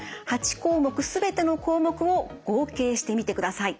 ８項目全ての項目を合計してみてください。